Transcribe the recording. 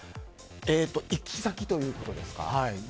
行き先ということですか。